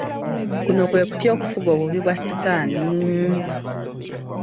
Kuno kwe kutya okufuga obubi bwa Setaani